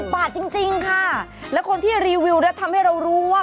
บาทจริงค่ะแล้วคนที่รีวิวแล้วทำให้เรารู้ว่า